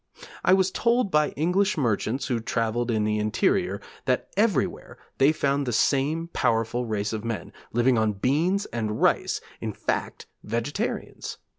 I was told by English merchants who travelled in the interior, that everywhere they found the same powerful race of men, living on beans and rice in fact, vegetarians.